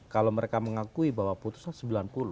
kalau mereka mengakui bahwa putusan sembilan puluh